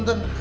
aduh ya ya